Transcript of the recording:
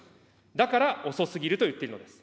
だから遅すぎると言っているんです。